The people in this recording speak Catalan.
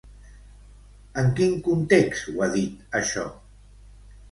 En quin context ho ha dit, això?